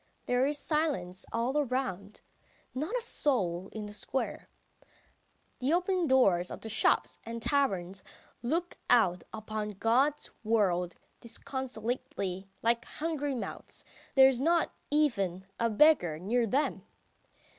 There is silence all around. Not a soul in the square. ... The open doors of the shops and taverns look out upon God's world disconsolately, like hungry mouths; there is not even a beggar near them.